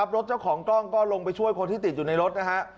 เจ้าของกล้องก็ลงไปช่วยคนที่ติดอยู่ในรถนะฮะ